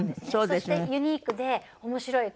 そしてユニークで面白い。